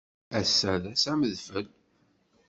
Ass-a d ass amedfel.